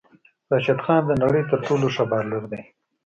راشد خان د نړی تر ټولو ښه بالر دی